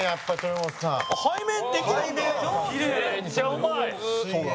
後藤：めっちゃうまい！